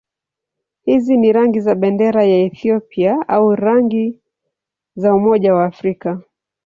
Hizi ni rangi za bendera ya Ethiopia au rangi za Umoja wa Afrika.